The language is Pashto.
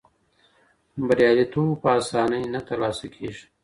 بریالیتوب په اسانۍ نه ترلاسه کېږي.